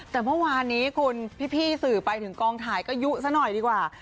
แต่เมื่อวานนี้คุณพี่สื่อไปถึงกองถ่ายก็ยุซะหน่อยดีกว่า